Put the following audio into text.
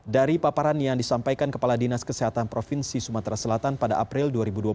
dari paparan yang disampaikan kepala dinas kesehatan provinsi sumatera selatan pada april dua ribu dua puluh